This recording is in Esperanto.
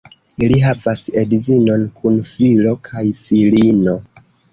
Li havas edzinon kun filo kaj filino.